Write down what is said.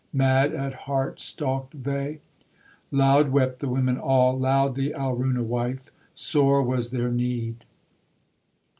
Mad at heart stalked they: Loud wept the women all, Loud the Alruna wife; Sore was their need.